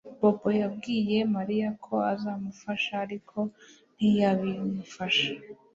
Bobo yabwiye Mariya ko azamufasha ariko ntiyabimufasha